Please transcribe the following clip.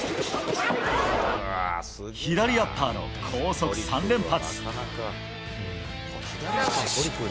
左アッパーの高速３連発。